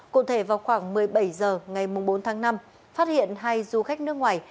cụ thể vào khoảng một mươi bảy h ngày bốn tháng năm phát hiện hai du khách nước ngoài